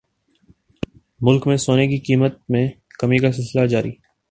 ملک میں سونے کی قیمت میں کمی کا سلسلہ جاری